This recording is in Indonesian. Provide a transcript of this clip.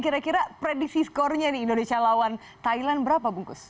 kira kira prediksi skornya nih indonesia lawan thailand berapa bungkus